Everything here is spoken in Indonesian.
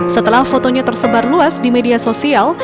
setelah fotonya tersebar luas di media sosial